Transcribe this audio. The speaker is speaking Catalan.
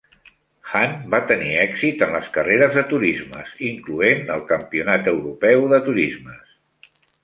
Hahne va tenir èxit en les carreres de turismes, incloent el Campionat Europeu de Turismes.